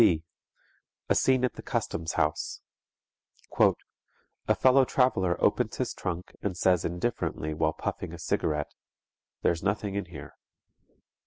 (b). A scene at the customs house: "_A fellow traveler opens his trunk and says indifferently while puffing a cigarette, 'There's nothing in here.'